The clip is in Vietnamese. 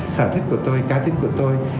sở thích của tôi cá tính của tôi